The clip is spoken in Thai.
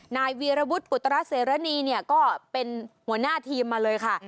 นายวีรวุฒิอุตรเสรณีเนี่ยก็เป็นหัวหน้าทีมมาเลยค่ะ